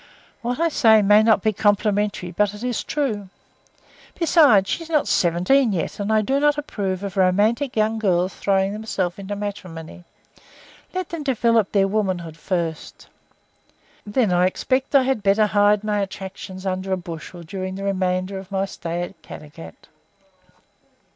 What I say may not be complimentary but it is true. Besides, she is not seventeen yet, and I do not approve of romantic young girls throwing themselves into matrimony. Let them develop their womanhood first." "Then I expect I had better hide my attractions under a bushel during the remainder of my stay at Caddagat?"